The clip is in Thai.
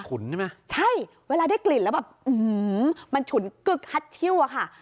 ได้ขุนใช่ไหมใช่เวลาได้กลิ่นแล้วแบบหื้อมันขุนกึกคัดชิ้วอะค่ะ